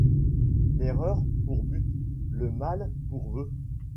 L'erreur pour but, le mal pour voeu